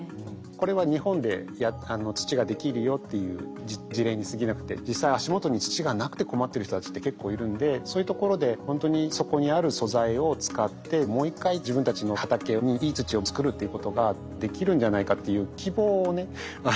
これは日本で土ができるよっていう事例にすぎなくて実際足元に土がなくて困ってる人たちって結構いるんでそういうところでほんとにそこにある素材を使ってもう一回自分たちの畑にいい土を作るっていうことができるんじゃないかっていう希望をね